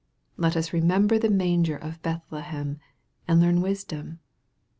Let us remember the manger of Bethlehem, and learn wisdom.